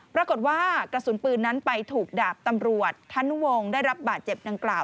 ปรากฏว่ากระสุนปืนนั้นไปถูกดาบตำรวจธนุวงศ์ได้รับบาดเจ็บดังกล่าว